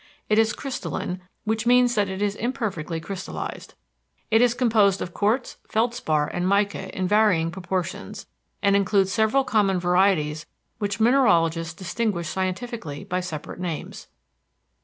It is crystalline, which means that it is imperfectly crystallized. It is composed of quartz, feldspar, and mica in varying proportions, and includes several common varieties which mineralogists distinguish scientifically by separate names.